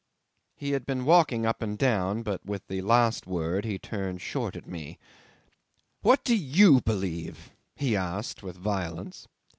'He had been walking up and down, but with the last word he turned short at me. '"What do you believe?" he asked with violence.